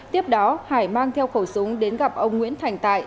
tiếp đó hải mang theo khẩu súng đến gặp ông nguyễn thành tại